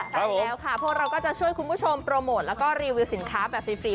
ใช่แล้วค่ะพวกเราก็จะช่วยคุณผู้ชมโปรโมทแล้วก็รีวิวสินค้าแบบฟรี